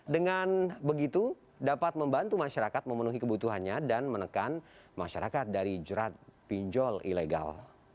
dengan begitu dapat membantu masyarakat memenuhi kebutuhannya dan menekan masyarakat dari jerat pinjol ilegal